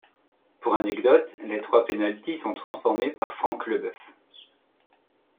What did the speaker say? Pour anecdote, les trois penalties sont transformés par Frank Lebœuf.